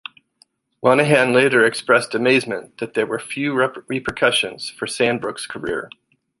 Moynihan later expressed amazement that there were few repercussions for Sandbrook's career.